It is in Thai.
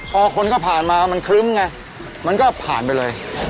พอคนก็ผ่านมามันครึ้มไงมันก็ผ่านไปเลย